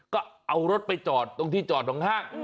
ก็เอารถไปจอดตรงที่จอดของห้าง